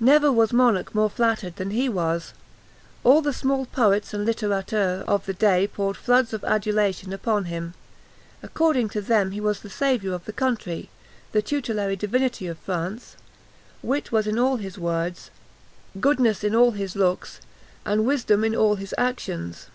Never was monarch more flattered than he was. All the small poets and littérateurs of the day poured floods of adulation upon him. According to them, he was the saviour of the country, the tutelary divinity of France; wit was in all his words, goodness in all his looks, and wisdom in all his actions.